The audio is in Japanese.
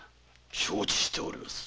承知しております。